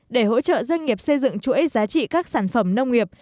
để hỗ trợ doanh nghiệp xây dựng chuỗi giá trị các sản phẩm nông nghiệp